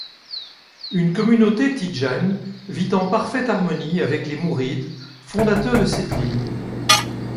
Une communauté tidjane vit en parfaite harmonie avec les mourides fondateurs de cette ville.